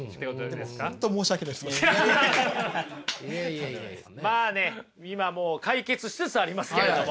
でも本当まあね今もう解決しつつありますけれども。